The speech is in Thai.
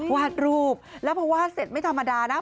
วาดรูปแล้วพอวาดเสร็จไม่ธรรมดานะ